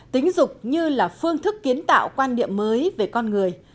tính dục như là phương thức kiến tạo quan điểm mới về con người